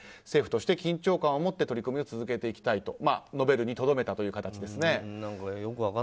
政府として緊張感を持って取り組みを続けていくべきと述べるにとどめたという形ですね。